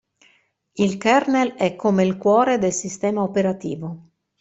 Il kernel è come il cuore del sistema operativo.